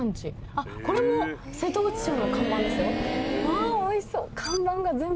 あっこれも瀬戸内町の看板ですよ。